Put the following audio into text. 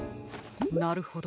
なるほど。